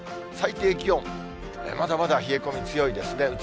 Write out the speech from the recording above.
最低気温、まだまだ冷え込み強いですね。